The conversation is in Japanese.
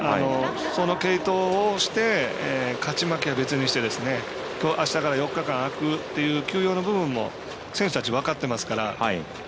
その継投をして勝ち負けは別にしてあしたから４日間空くという休養の部分も選手たち、分かってますから。